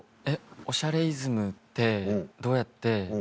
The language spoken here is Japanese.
『おしゃれイズム』ってどうやって。